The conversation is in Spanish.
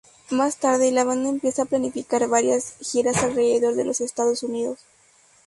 Más tarde, la banda empieza a planificar varias giras alrededor de los Estados Unidos.